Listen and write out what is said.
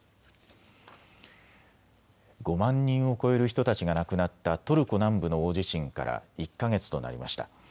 ５万人を超える人たちが亡くなったトルコ南部の大地震から１か月となりました。